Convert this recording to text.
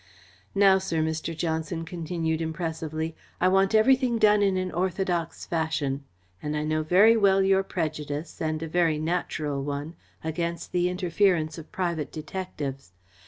"Now, sir," Mr. Johnson continued impressively, "I want everything done in an orthodox fashion, and I know very well your prejudice, and a very natural one, against the interference of private detectives.